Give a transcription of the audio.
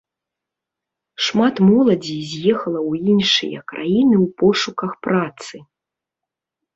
Шмат моладзі з'ехала ў іншыя краіны ў пошуках працы.